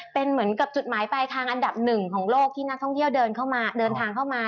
เป็นเหมือนกับจุดหมายปลายทางอันดับหนึ่งของโลกที่นักท่องเที่ยวเดินเข้ามาเดินทางเข้ามา